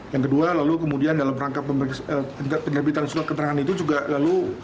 yang kedua lalu kemudian dalam rangka penerbitan surat keterangan itu juga lalu